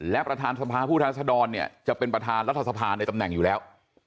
และประธานสภาผู้แทนรัศดรเนี่ยจะเป็นประธานรัฐสภาในตำแหน่งอยู่แล้ว